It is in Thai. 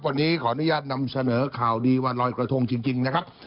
วันนี้ขออนุญาตนำเสนอข่าวดีวันรอยกระทงจริงนะครับ